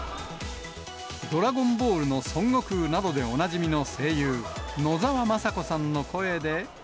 ドラゴンボールの孫悟空などでおなじみの声優、野沢雅子さんの声で。